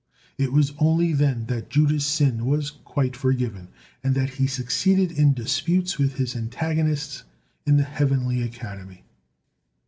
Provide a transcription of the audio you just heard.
It was only then that Judah's sin was quite forgiven, and that he succeeded in disputes with his antagonists in the heavenly academy.